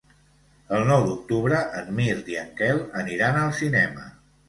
El nou d'octubre en Mirt i en Quel aniran al cinema.